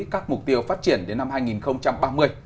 các mục tiêu phát triển đến năm hai nghìn ba mươi